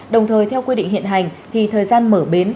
đồng thời theo quy định hiện hành thì thời gian mở bến